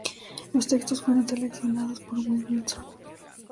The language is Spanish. Los textos fueron seleccionados por Guy Wilson.